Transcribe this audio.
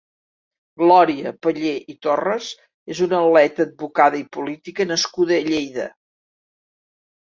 Glòria Pallé i Torres és una atleta, advocada i política nascuda a Lleida.